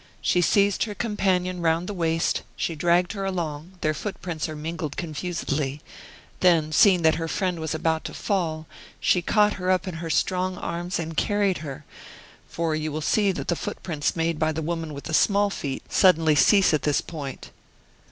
She seized her companion round the waist; she dragged her along; their footprints here are mingled confusedly; then, seeing that her friend was about to fall, she caught her up in her strong arms and carried her for you will see that the footprints made by the woman with the small feet suddenly cease at this point."